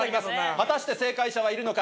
果たして正解者はいるのか？